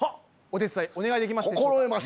お手伝いお願いできますでしょうか？